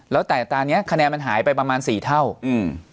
แล้วแต่อัตราเนี้ยคะแนนมันหายไปประมาณสี่เท่าอืม